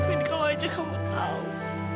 mungkin kalau aja kamu tahu